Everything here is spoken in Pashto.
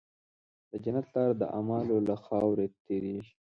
د جنت لاره د اعمالو له خاورې تېرېږي.